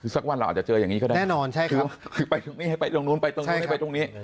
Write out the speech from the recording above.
สักวันหลังจะเจออย่างนี้ก็ได้คือไปตรงนี้ไปตรงนู้นไปตรงนู้นไปตรงนี้แน่นอนใช่ครับ